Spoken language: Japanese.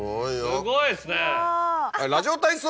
すごいですね。